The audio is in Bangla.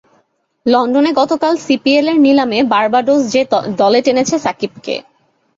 লন্ডনে গতকাল সিপিএলের নিলামে বার্বাডোজ যে দলে টেনেছে সাকিবকে।